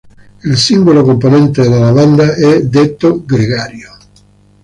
Il singolo componente della "banda" è detto "gregario".